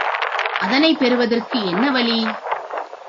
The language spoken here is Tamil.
அதனைப் பெறுவதற்கு வழி என்ன?